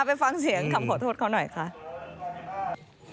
ไปฟังเสียงคำขอโทษเขาหน่อยค่ะ